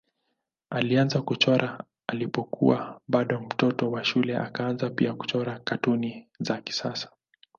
Alianza kuchora alipokuwa bado mtoto wa shule akaanza pia kuchora katuni za kisiasa.